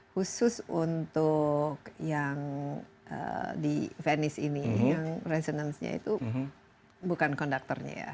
khusus untuk yang di venice ini yang resonencenya itu bukan konduktornya ya